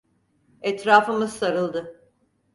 Etrafımız sarıldı.